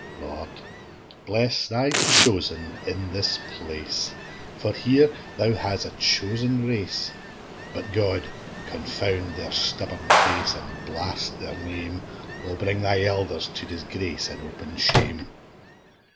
Lord, bless Thy chosen in this place, For here Thou hast a chosen race: But God confound their stubborn face, An' blast their name, Wha bring Thy elders to disgrace An' public shame.